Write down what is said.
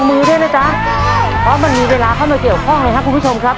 มือด้วยนะจ๊ะเพราะมันมีเวลาเข้ามาเกี่ยวข้องเลยครับคุณผู้ชมครับ